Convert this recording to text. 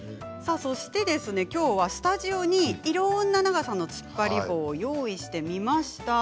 そしてきょうはスタジオにいろんな長さのつっぱり棒を用意してみました。